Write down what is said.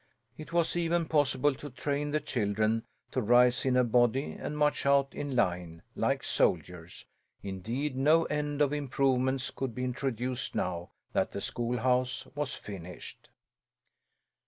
It was even possible to train the children to rise in a body and march out in line, like soldiers. Indeed, no end of improvements could be introduced now that the schoolhouse was finished.